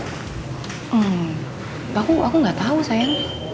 hmm aku nggak tahu sayang